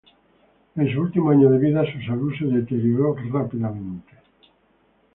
En su último año de vida su salud se deterioró rápidamente.